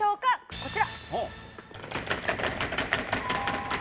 こちら。